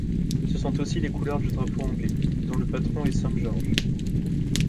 Ce sont aussi les couleurs du drapeau anglais, dont le patron est saint Georges.